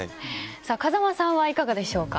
風間さんはいかがでしょうか？